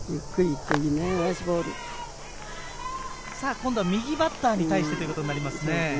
今度は右バッターに対してということになります。